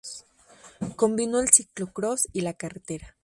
Combinó el Ciclocross y la carretera.